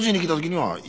はい。